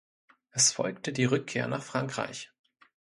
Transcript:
Es folgte die Rückkehr nach Frankreich.